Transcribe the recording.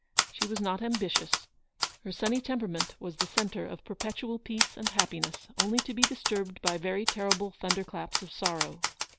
She was not ambitious. Her sunny temperament was the centre of perpetual peace and happiness, only to be disturbed by very terrible thunder claps of sorrow.